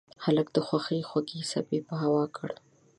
هلک د خوښۍ خوږې څپې په هوا کړ.